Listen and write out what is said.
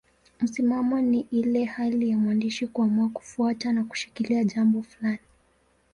Msimamo ni ile hali ya mwandishi kuamua kufuata na kushikilia jambo fulani.